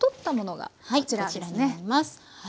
はいこちらになります。